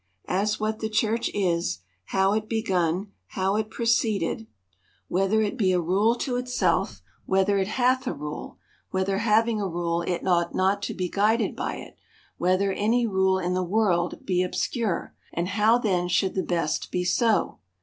As, what the church is ; how it begun ; how it proceeded ; whether THE COUNTRY PARSON. 55 it be a rule to itself; whether it hath a rule ; whether, having a rule, it ought not to be guided by it; whether any rule in the world be obscure ; and how then should the best be so